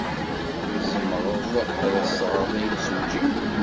Tzemreḍ ad as-teɣreḍ i yemsujji?